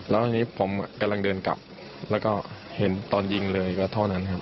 แล้วทีนี้ผมกำลังเดินกลับแล้วก็เห็นตอนยิงเลยก็เท่านั้นครับ